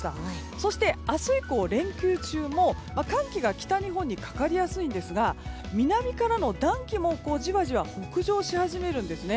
そして明日以降、連休中も寒気が北日本にかかりやすいんですが南からの暖気もじわじわ北上し始めるんですね。